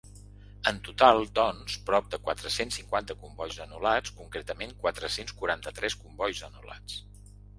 En total, doncs, prop de quatre-cents cinquanta combois anul·lats, concretament quatre-cents quaranta-tres combois anul·lats.